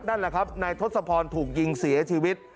นั่นแหละครับนายทศพรถูกยิงเสียชีวิต